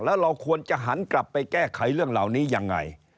แล้วเราควรจะหันกลับไปแก้ไขเรื่องเหล่านี้ยังไง